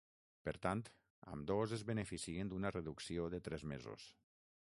Per tant, ambdós es beneficien d’una reducció de tres mesos.